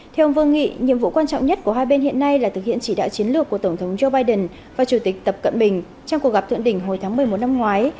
theo ông vương nghị nhiệm vụ quan trọng nhất của hai bên hiện nay là thực hiện chỉ đạo chiến lược của tổng thống joe biden và chủ tịch tập cận bình trong cuộc gặp thượng đỉnh hồi tháng một mươi một năm ngoái